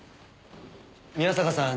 宮坂さん